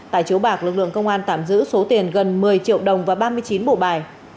tại chiếu bạc lực lượng công an tạm giữ số tiền gần một mươi triệu đồng và ba mươi chín bộ bài